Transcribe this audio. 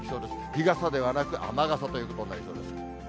日傘ではなく、雨傘ということになりそうです。